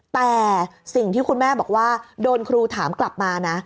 แต่สิ่งที่คุณแม่บอกว่าโดนครูถามกลับมานะ